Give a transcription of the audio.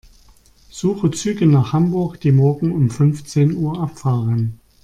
Suche Züge nach Hamburg, die morgen um fünfzehn Uhr abfahren.